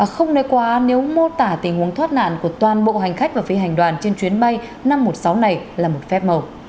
không nơi quá nếu mô tả tình huống thoát nạn của toàn bộ hành khách và phi hành đoàn trên chuyến bay năm trăm một mươi sáu này là một phép màu